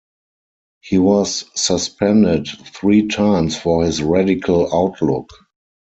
He was suspended three times for his radical outlook.